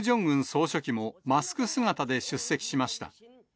総書記もマスク姿で出席しました。